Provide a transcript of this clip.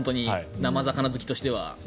生魚好きとしては。